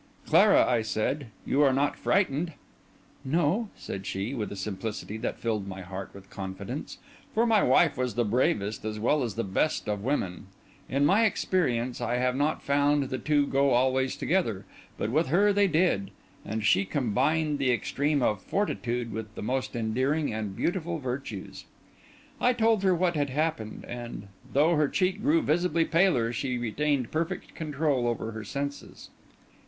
"Clara," I said, "you are not frightened!" "No," said she, with a simplicity that filled my heart with confidence. For my wife was the bravest as well as the best of women; in my experience, I have not found the two go always together, but with her they did; and she combined the extreme of fortitude with the most endearing and beautiful virtues. I told her what had happened; and, though her cheek grew visibly paler, she retained perfect control over her senses.